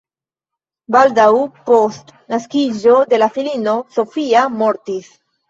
Baldaŭ post naskiĝo de la filino "Sofia" mortis.